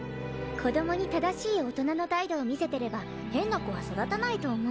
子供に正しい大人の態度を見せてれば変な子は育たないと思う。